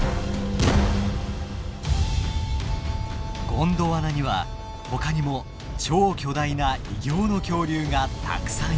ゴンドワナにはほかにも超巨大な異形の恐竜がたくさんいます。